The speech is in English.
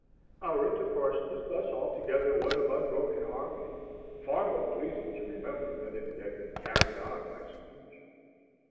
Our intercourse was thus altogether one of unbroken harmony, far more pleasing to remember than if it had been carried on by speech.